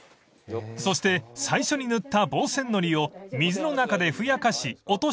［そして最初に塗った防染のりを水の中でふやかし落としていきます］